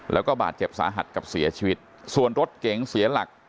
แล้วก็บาดเจ็บสาหัสกับเสียชีวิตส่วนรถเก๋งเสียหลัก